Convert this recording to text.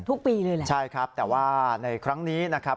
ทุกปีเลยแหละใช่ครับแต่ว่าในครั้งนี้นะครับ